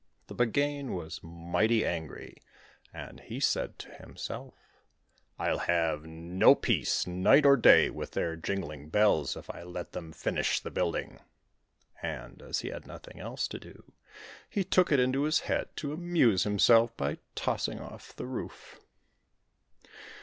The Buggane was mighty angry, and he said to himself: 'I'll have no peace night or day with their jingling bells if I let them finish the building.' And, as he had nothing else to do, he took it into his head to amuse himself by tossing off the roof.